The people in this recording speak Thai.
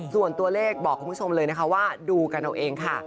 ส่วนตัวเลขบอกคุณผู้ชมเลยนะคะว่าดูกันเอาเองค่ะ